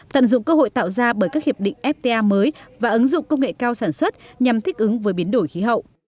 tận dụng cơ hội tạo ra bởi các hiệp định fta mới và ứng dụng công nghệ cao sản xuất nhằm thích ứng với biến đổi khí hậu